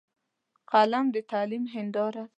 قلم د تعلیم هنداره ده